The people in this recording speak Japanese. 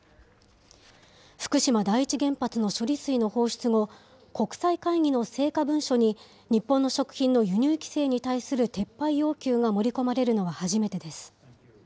福島第一原発の処理水の放出後、国際会議の成果文書に、日本の食品の輸入規制に対する撤廃要求が盛り込まれるのは初めてです。